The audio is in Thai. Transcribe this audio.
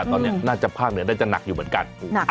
ตอนนี้น่าจะผ้าเงียนแต่จะหนักอยู่เหมือนกัน